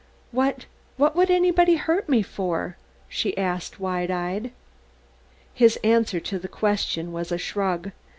"What what would anybody hurt me for?" she asked, wide eyed. His answer to the question was a shrug.